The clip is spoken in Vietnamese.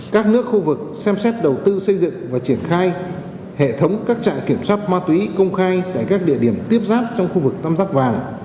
các nước khu vực xem xét đầu tư xây dựng và triển khai hệ thống các trạm kiểm soát ma túy công khai tại các địa điểm tiếp giáp trong khu vực tam giác vàng